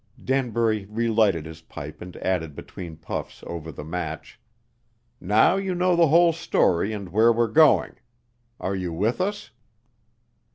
Danbury relighted his pipe and added between puffs over the match: "Now you know the whole story and where we're going. Are you with us?"